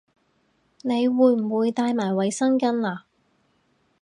你會唔會帶埋衛生巾吖